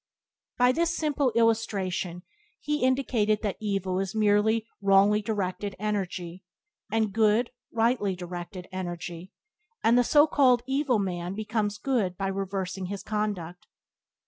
By this simple illustration He indicated that evil is merely wrongly directed energy, and good rightly directed energy, and that the so called evil man becomes good by reversing his conduct.